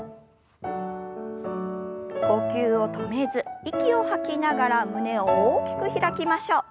呼吸を止めず息を吐きながら胸を大きく開きましょう。